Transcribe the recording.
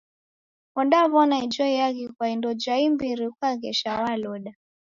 Ondaw'ona ijo iaghi kwa indo ja imbiri ukaghesha waloda.